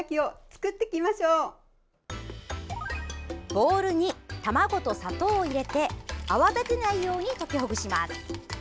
ボウルに卵と砂糖を入れて泡立てないように溶きほぐします。